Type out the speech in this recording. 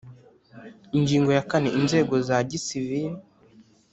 Ingingo ya kane Inzego za Gisivili